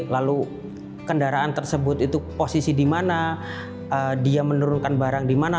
lalu kendaraan tersebut itu posisi di mana dia menurunkan barang di mana